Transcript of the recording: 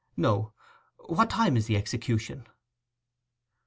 'No. What time is the execution?